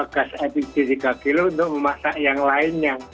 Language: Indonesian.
gas adik di tiga kilo untuk memasak yang lainnya